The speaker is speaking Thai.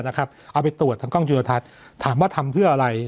เอาไปตรวจทางกล้องจุลทัศน์ถามว่าทำเพื่ออะไร